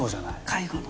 介護の。